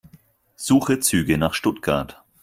Suche Züge nach Stuttgart.